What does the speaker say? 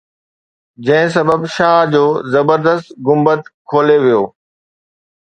جنهن سبب شاهه جو زبردست گنبد کولي ويو